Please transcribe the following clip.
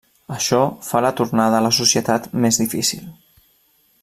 Això fa la tornada a la societat més difícil.